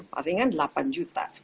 palingan delapan juta